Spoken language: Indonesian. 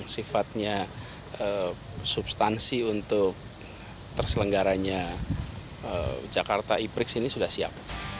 sifatnya substansi untuk terselenggaranya jakarta e prix ini sudah siap